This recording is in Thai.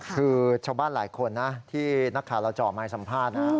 คือชาวบ้านหลายคนนะที่นักข่าวเราจ่อไมค์สัมภาษณ์นะ